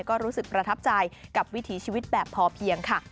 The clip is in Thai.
ก็รู้สึกประทับใจกับวิถีชีวิตแบบพอเพียงค่ะ